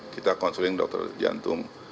kita konsulin dokter jantung